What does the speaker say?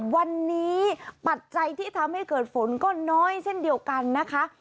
วันนี้ปัจจัยที่ทำให้เกิดฝนก็น้อยเช่นเดียวกันนะคะ